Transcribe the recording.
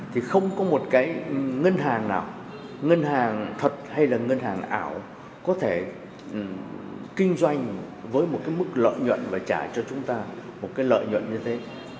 thì không có một cái ngân hàng nào ngân hàng thật hay là ngân hàng ảo có thể kinh doanh với một cái mức lợi nhuận và trả cho chúng ta một cái lợi nhuận như thế